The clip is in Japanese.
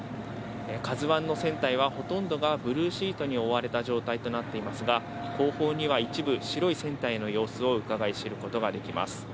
「ＫＡＺＵ１」の船体はほとんどがブルーシートに覆われた状態となっていますが、後方には一部、白い船体の様子をうかがい知ることができます。